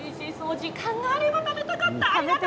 時間があれば食べたかった。